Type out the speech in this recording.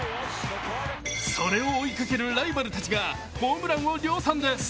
それを追いかけるライバルたちがホームランを量産です。